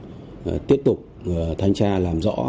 và tiếp tục thanh tra làm rõ